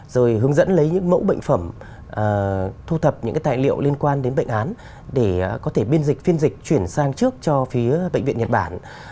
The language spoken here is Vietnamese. rồi hướng dẫn lấy những mẫu bệnh phẩm thu thập những cái tài liệu liên quan đến bệnh án để có thể biên dịch phiên dịch chuyển sang trước cho phía bệnh viện nhật bản